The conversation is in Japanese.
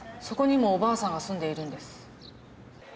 そこにもおばあさんが住んでいるんです。